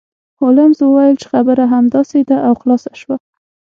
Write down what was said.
هولمز وویل چې خبره همداسې ده او خلاصه شوه